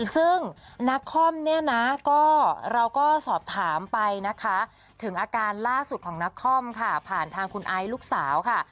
ซึ่งนักคอมเนี่ยนะก็เราก็สอบถามไปนะคะถึงอาการล่าสุดของนักคอมค่ะผ่านทางคุณไอซ์ลูกสาวค่ะ